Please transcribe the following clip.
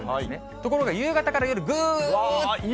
ところが夕方から夜、ぐーっと。